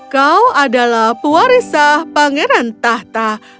kau adalah pewarisah pangeran tahta